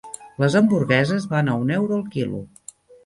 Les hamburgueses van a un euro el quilo.